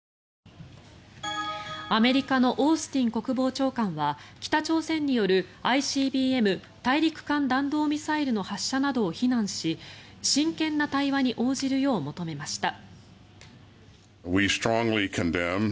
アメリカのオースティン国防長官は北朝鮮によるＩＣＢＭ・大陸間弾道ミサイルの発射などを非難し真剣な対話に応じるよう求めました。